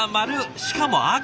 しかも赤で。